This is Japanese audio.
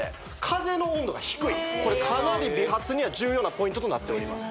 風の温度が低いこれかなり美髪には重要なポイントとなっております